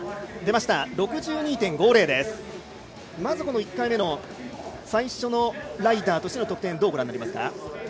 まず１回目の最初のライダーとしての得点どうご覧になりますか。